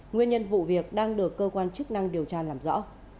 nguyên nhân vụ việc đang được cơ quan chức năng điều tra làm rõ